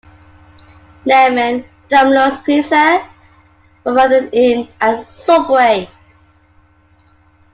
Lemon, Domino's Pizza, Ramada Inn and Subway.